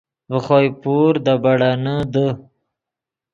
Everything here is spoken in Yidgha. ڤے خوئے پور دے بیڑینے دے